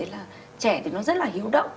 là trẻ thì nó rất là hiếu động